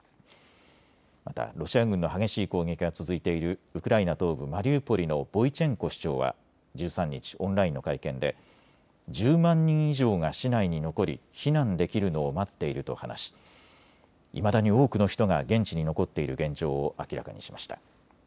またロシア軍の激しい攻撃が続いているウクライナ東部マリウポリのボイチェンコ市長は１３日、オンラインの会見で１０万人以上が市内に残り避難できるのを待っていると話しいまだに多くの人が現地に残っている現状を明らかにしました。